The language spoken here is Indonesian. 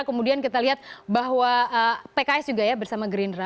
kemudian kita lihat bahwa pks juga ya bersama gerindra